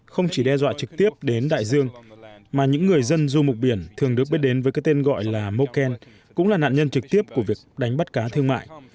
không chỉ đe dọa trực tiếp đến đại dương mà những người dân du mục biển thường được biết đến với cái tên gọi là muken cũng là nạn nhân trực tiếp của việc đánh bắt cá thương mại